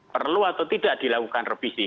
perlu atau tidak dilakukan revisi